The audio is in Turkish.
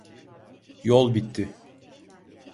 Yol bitti.